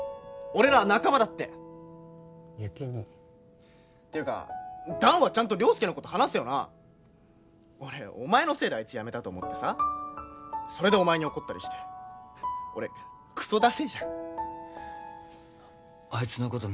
「俺らは仲間だ」って有起兄ていうか弾はちゃんと良介のこと話せよな俺お前のせいであいつやめたと思ってさそれでお前に怒ったりして俺クソだせえじゃんあいつのこと